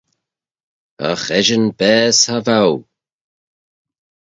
Agh eshyn baase cha vow!